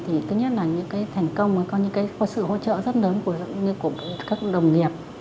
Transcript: thì thứ nhất là những cái thành công mới có những cái sự hỗ trợ rất lớn như của các đồng nghiệp